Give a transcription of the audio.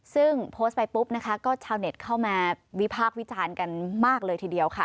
ซึ่งโพสต์ไปปุ๊บนะคะก็ชาวเน็ตเข้ามาวิพากษ์วิจารณ์กันมากเลยทีเดียวค่ะ